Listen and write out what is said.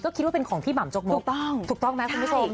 ก็คิดว่าเป็นของพี่หม่ำจกมกถูกต้องถูกต้องไหมคุณผู้ชม